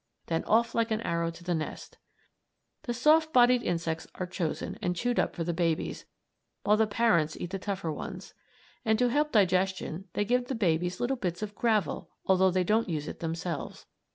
Then off like an arrow to the nest. The soft bodied insects are chosen and chewed up for the babies, while the parents eat the tougher ones. And to help digestion they give the babies little bits of gravel, although they don't use it themselves.